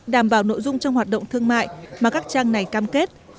đảm bảo nội dung trong hoạt động thương mại mà các trang này cam kết